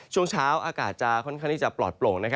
ช่วงเช้าอากาศจะค่อนข้างที่จะปลอดโปร่ง